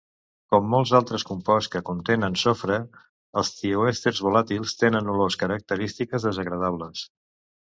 Com molts altres composts que contenen sofre, els tioèters volàtils tenen olors característiques desagradables.